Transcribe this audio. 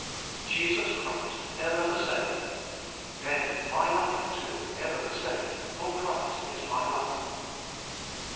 2. Jesus Christ ever the Same : then my life, too, ever the Same; for Christ is my life.